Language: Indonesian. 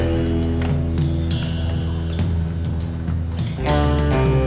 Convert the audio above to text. makasih banget ya lo udah nolongin gue